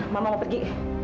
mama mau pergi